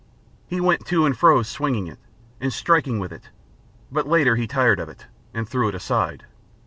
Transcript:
He went to and fro swinging it, and striking with it; but later he tired of it and threw it aside.